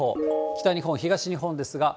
北日本、東日本ですが。